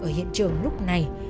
ở hiện trường lúc này